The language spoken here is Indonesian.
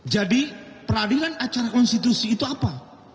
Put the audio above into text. jadi peradilan acara konstitusi itu apa